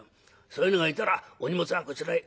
そういうのがいたら『お荷物はこちらへ。